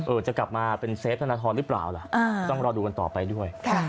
จะกลับมาเป็นเซฟธนทรหรือเปล่าล่ะต้องรอดูกันต่อไปด้วย